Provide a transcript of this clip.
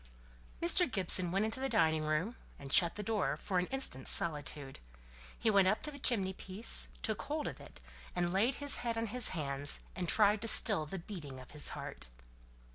Mr. Gibson went into the dining room, and shut the door, for an instant's solitude. He went up to the chimney piece, took hold of it, and laid his head on his hands, and tried to still the beating of his heart.